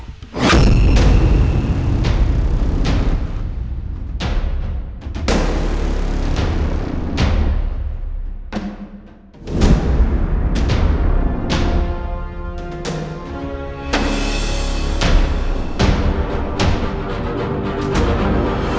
dan saya harus berhenti mengambil alihnya